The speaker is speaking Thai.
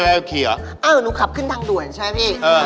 ครับสีนู้นขึ้นทางดุ่นใช่ไหมพี่